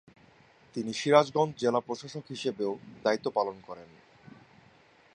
তিনি সিরাজগঞ্জ জেলা প্রশাসক হিসেবেও দায়িত্ব পালন করেন।